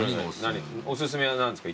お薦めは何ですか？